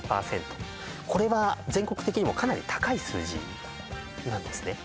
これは全国的にもかなり高い数字なんですね